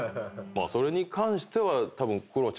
それに関してはたぶん。